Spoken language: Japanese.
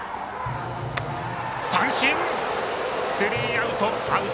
三振、スリーアウト。